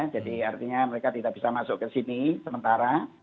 jadi artinya mereka tidak bisa masuk ke sini sementara